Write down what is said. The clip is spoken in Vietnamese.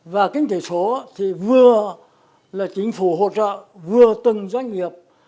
và kinh tế số thì vừa là chính phủ hỗ trợ vừa từng doanh nghiệp